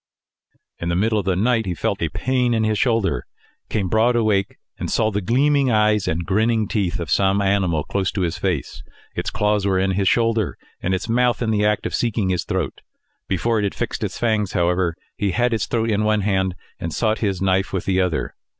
In the middle of the night he felt a pain in his shoulder, came broad awake, and saw the gleaming eyes and grinning teeth of some animal close to his face. Its claws were in his shoulder, and its mouth in the act of seeking his throat. Before it had fixed its fangs, however, he had its throat in one hand, and sought his knife with the other.